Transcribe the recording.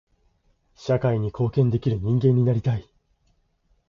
社会に貢献できる人間になりたい。